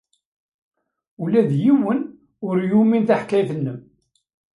Ula d yiwen ur yumin taḥkayt-nnem.